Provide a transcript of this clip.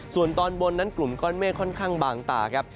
ส่วนตอนบนนั้นกลุ่มก้อนเมฆค่อนข้างบางตาครับ